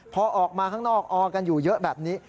พอออกมาข้างนอกออกันอยู่เยอะแบบนี้